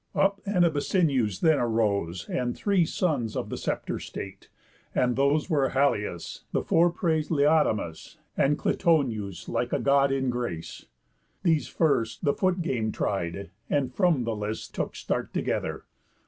Up Anabesinëus then arose; And three sons of the Sceptre state, and those Were Halius, the fore prais'd Laodamas, And Clytonëus like a God in grace. These first the foot game tried, and from the lists Took start together.